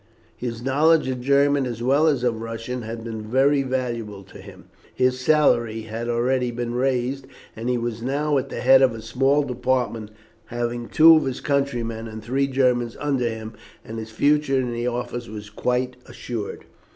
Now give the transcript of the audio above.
His knowledge of German as well as of Russian had been very valuable to him; his salary had already been raised, and he was now at the head of a small department, having two of his countrymen and three Germans under him, and his future in the office was quite assured.